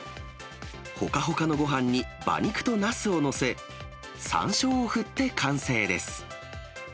ほかほかのごはんに馬肉となすを載せ、さんしょうを振って完成です。